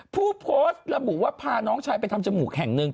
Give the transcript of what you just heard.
ผู้โพสต์ระบุว่าพาน้องชายไปทำจมูกแห่งหนึ่ง